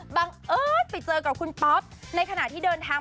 บังเอิญไปเจอกับคุณป๊อปในขณะที่เดินทาง